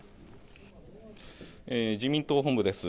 自民党本部です。